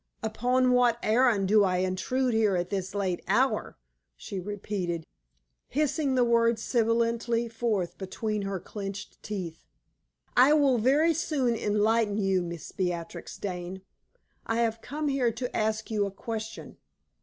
"Upon what errand do I intrude here at this late hour?" she repeated, hissing the words sibilantly forth from between her clenched teeth. "I will very soon enlighten you, Miss Beatrix Dane. I have come here to ask you a question.